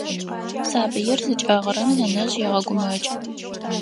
Сабыир зыкӏэгъырэм нэнэжъ егъэгумэкӏы.